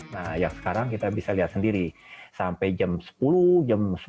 nah yang sekarang kita bisa lihat sendiri sampai jam sepuluh jam sebelas